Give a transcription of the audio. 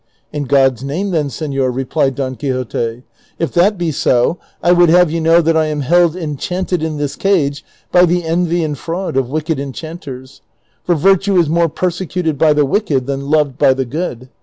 '' In God's name, then, sefior," replied Don Quixote ;" if that be so, I would have you know that I am held enchanted in this cage by the envy and fraud of wicked enchanters ; for virtue is more persecuted by the wicked than loved by the good.